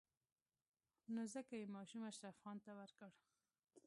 نو ځکه يې ماشوم اشرف خان ته ورکړ.